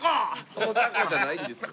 「このタコ！」じゃないんですよ。